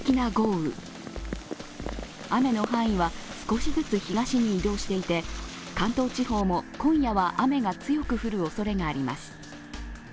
雨の範囲は少しずつ東に移動していて関東地方も今夜は雨が強く降るおそれがあります。